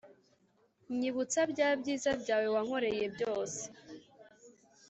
Nyibutsa bya byiza byawe wankoreye byose